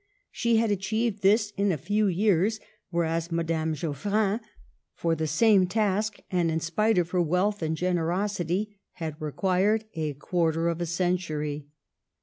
She had achieved this in a few years, whereas Madame Geoffrin for the same task, and in spite of her wealth and generosity, had re quired a quarter of a century.